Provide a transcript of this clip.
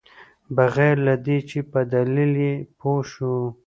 بغیر له دې چې په دلیل یې پوه شوو.